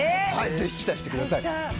ぜひ期待してください。